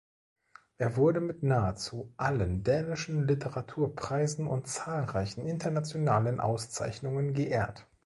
Er wurde mit nahezu allen dänischen Literaturpreisen und zahlreichen internationalen Auszeichnungen geehrt.